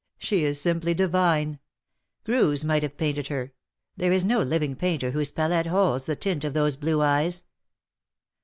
She is simply divine. Greuze might have painted her — there is no living painter whose palette holds the tint of those blue eyes."